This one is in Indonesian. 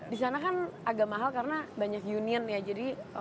di sana kan agak mahal karena banyak union ya jadi